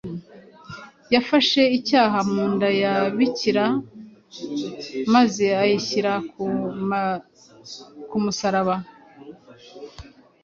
Yafashe icyaha mu nda ya Bikira maze ayishyira ku musaraba